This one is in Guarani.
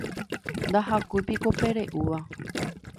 ndahakúipiko pe re'úva